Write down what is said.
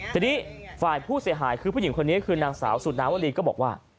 ทีนี้ฝ่ายผู้เสียหายคือผู้หญิงคนนี้คือนางสาวสุนาวรีก็บอกว่า